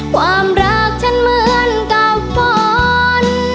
ความรักฉันเหมือนกับฝน